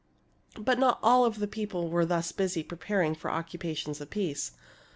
But not all the people were thus busy preparing for the occupations of peace.